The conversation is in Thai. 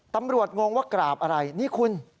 ตำรวจงงว่ากราบอะไรนี่คุณ